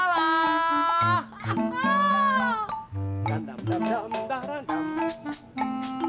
kalau tadi pagi boleh gue ganggaran cincin buat si elak